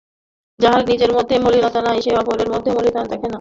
যাহার নিজের মধ্যে মলিনতা নাই, সে অপরের মধ্যেও মলিনতা দেখে না।